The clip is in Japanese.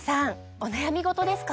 お悩み事ですか？